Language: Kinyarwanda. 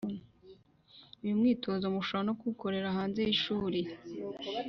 Uyu mwitozo mushobora no kuwukorera hanze y'ishuri,